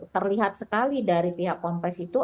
terlihat sekali dari pihak ponpes itu